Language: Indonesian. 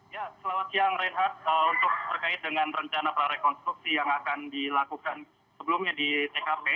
ya selamat siang reinhardt untuk terkait dengan rencana prarekonstruksi yang akan dilakukan sebelumnya di tkp